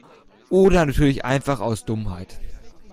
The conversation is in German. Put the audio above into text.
Oder natürlich einfach aus Dummheit.